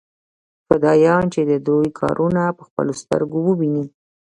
فدايان چې د دوى کارونه په خپلو سترګو وويني.